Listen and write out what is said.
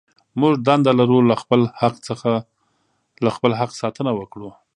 موږ دنده لرو له خپل حق ساتنه وکړو.